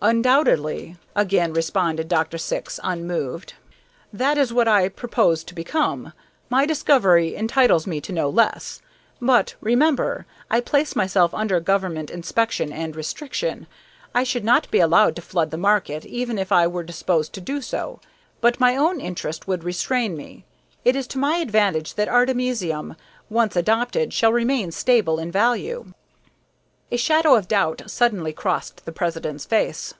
"Undoubtedly," again responded Dr. Syx, unmoved. "That is what I purpose to become. My discovery entitles me to no less. But, remember, I place myself under government inspection and restriction. I should not be allowed to flood the market, even if I were disposed to do so. But my own interest would restrain me. It is to my advantage that artemisium, once adopted, shall remain stable in value." A shadow of doubt suddenly crossed the president's face.